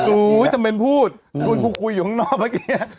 อุ้ยจำเป็นพูดมึงคุยอยู่ข้างนอกเมื่อกี้